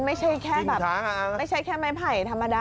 มันไม่ใช่แค่ไม้ไผ่ธรรมดา